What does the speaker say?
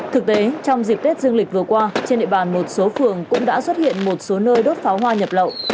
thực tế trong dịp tết dương lịch vừa qua trên địa bàn một số phường cũng đã xuất hiện một số nơi đốt pháo hoa nhập lậu